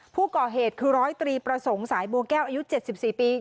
ผู้ก่อเหตุคือร้อยตรีประสงค์สายบัวแก้วอายุ๗๔ปี